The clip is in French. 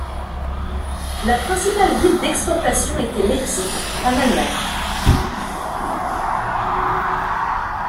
La principale ville d'exportation était Leipzig en Allemagne.